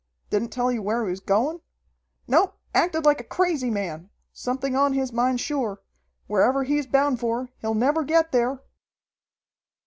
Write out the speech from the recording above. "Didn't tell you where he was going?" "Nope, acted like a crazy man. Something on his mind sure. Wherever he's bound for, he'll never get there!"